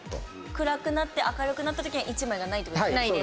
暗くなって明るくなったときには１枚がないっていうことですね？